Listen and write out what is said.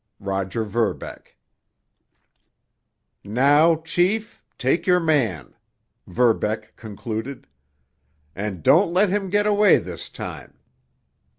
Roger Verbeck. "Now, chief, take your man," Verbeck concluded. "And don't let him get away this time.